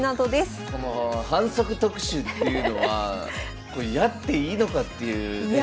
この「反則特集」っていうのはこれやっていいのかっていうね。